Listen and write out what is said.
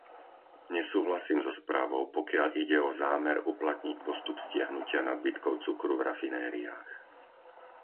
Nesúhlasím so správou, pokiaľ ide o zámer uplatniť postup stiahnutia nadbytkov cukru v rafinériách.